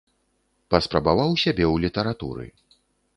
Паспрабаваў сябе ў літаратуры.